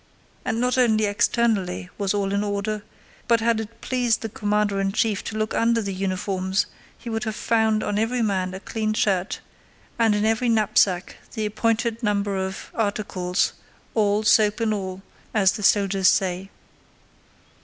And not only externally was all in order, but had it pleased the commander in chief to look under the uniforms he would have found on every man a clean shirt, and in every knapsack the appointed number of articles, "awl, soap, and all," as the soldiers say.